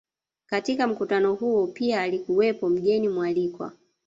Katika mkutano huo pia alikuwepo mgeni mwalikwa